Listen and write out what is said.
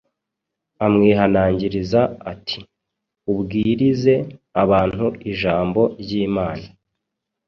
amwihanangiriza ati, “Ubwirize abantu ijambo ry’Imana.”